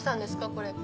これ。